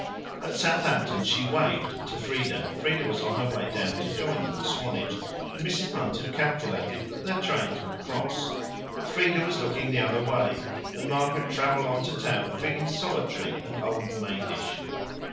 At Southampton she "waved" to Frieda: Frieda was on her way down to join them at Swanage, and Mrs. Munt had calculated that their trains would cross. But Frieda was looking the other way, and Margaret travelled on to town feeling solitary and old maidish.